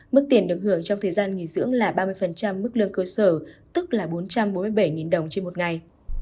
mức tiền được hưởng trong thời gian nghỉ dưỡng là ba mươi mức lương cơ sở tức là bốn trăm bốn mươi bảy đồng trên một ngày